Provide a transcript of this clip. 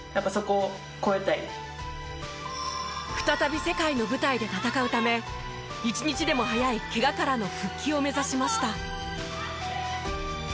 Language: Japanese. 再び世界の舞台で戦うため一日でも早いケガからの復帰を目指しました。